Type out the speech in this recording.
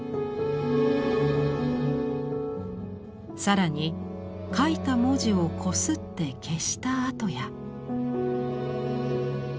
更に書いた文字をこすって消した跡や。